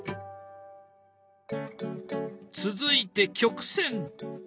続いて曲線。